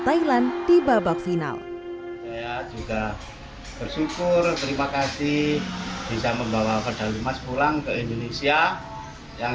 thailand di babak final saya juga bersyukur terima kasih bisa membawa pedal emas pulang ke indonesia yang